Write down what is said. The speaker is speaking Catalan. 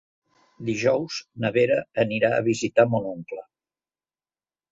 Dijous na Vera anirà a visitar mon oncle.